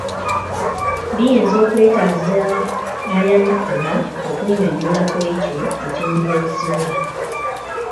Biyinza okwetaaza ayanukula okunnyonnyola ku ekyo ekimubuzibwa.